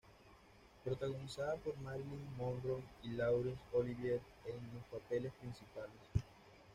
Protagonizada por Marilyn Monroe y Laurence Olivier en los papeles principales.